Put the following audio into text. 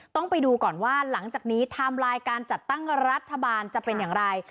ต้องไปดูก่อนว่าหลังจากนี้ไทม์ไลน์การจัดตั้งรัฐบาลจะเป็นอย่างไร